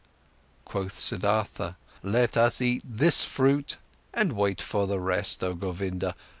Quoth Siddhartha: "Let us eat this fruit and wait for the rest, oh Govinda!